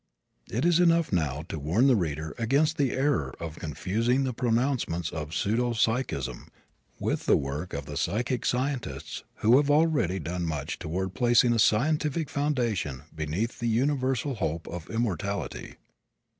It is enough now to warn the reader against the error of confusing the pronouncements of pseudo psychism with the work of the psychic scientists who have already done much toward placing a scientific foundation beneath the universal hope of immortality.